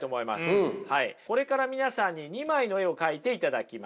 これから皆さんに２枚の絵を描いていただきます。